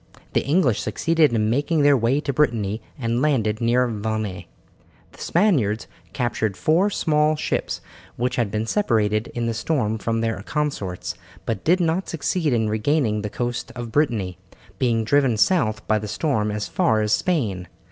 The English succeeded in making their way to Brittany and landed near Vannes. The Spaniards captured four small ships which had been separated in the storm from their consorts, but did not succeed in regaining the coast of Brittany, being driven south by the storm as far as Spain.